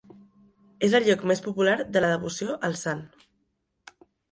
És el lloc més popular de la devoció al sant.